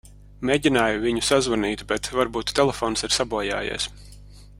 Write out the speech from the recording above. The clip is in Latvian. Mēģināju viņu sazvanīt, bet varbūt telefons ir sabojājies.